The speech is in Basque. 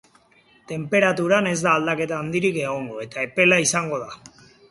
Tenperaturan ez da aldaketa handirik egongo, eta epela izango da.